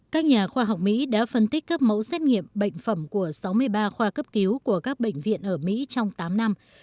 các nhà khoa học mỹ đã phân tích các mẫu xét nghiệm bệnh phẩm của sáu mươi ba khoa cấp cứu của các bệnh viện ở mỹ trong tám năm